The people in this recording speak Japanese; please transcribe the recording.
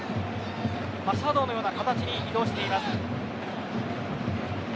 シャドーのような形に移動しています。